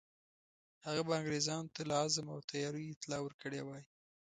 هغه به انګرېزانو ته له عزم او تیاریو اطلاع ورکړې وای.